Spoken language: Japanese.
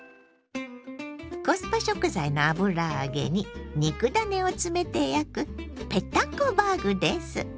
コスパ食材の油揚げに肉ダネを詰めて焼くぺったんこバーグです。